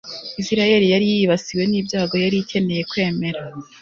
Isirayeli yari yibasiwe nibyago yari ikeneye kwemera